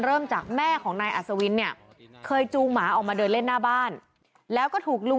เริ่มจากแม่ของไน่อสวินค์